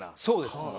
そうです。